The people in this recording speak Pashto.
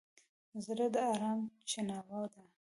زړه د ارام چیناوه ده.